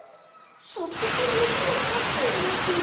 さっそくゆびをさしていますよ。